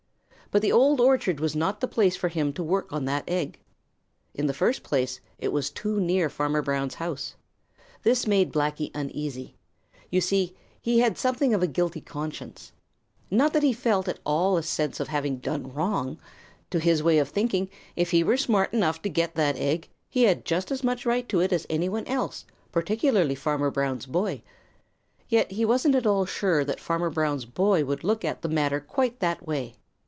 But the Old Orchard was not the place for him to work on that egg. In the first place, it was too near Farmer Brown's house. This made Blacky uneasy. You see, he had something of a guilty conscience. Not that he felt at all a sense of having done wrong. To his way of thinking, if he were smart enough to get that egg, he had just as much right to it as any one else, particularly Farmer Brown's boy. Yet he wasn't at all sure that Farmer Brown's boy would look at the matter quite that way.